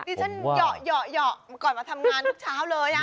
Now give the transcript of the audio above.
ดิฉันเหยาะก่อนมาทำงานทุกเช้าเลย